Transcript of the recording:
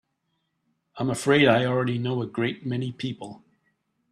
I'm afraid I already know a great many people.